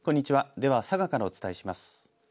では佐賀からお伝えします。